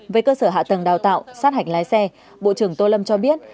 về cơ sở hạ tầng đào tạo sát hạch lái xe bộ trưởng tô lâm cho biết